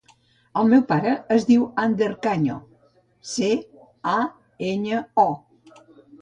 El meu pare es diu Ander Caño: ce, a, enya, o.